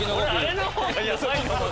あれの方がやばいと思う。